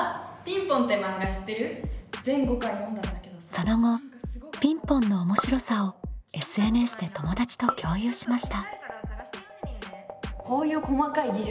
その後「ピンポン」の面白さをＳＮＳで友達と共有しました。